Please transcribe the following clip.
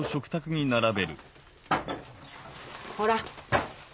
ほら。